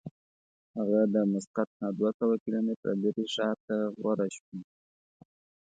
هغه د مسقط نه دوه سوه کیلومتره لرې ښار ته غوره شوه.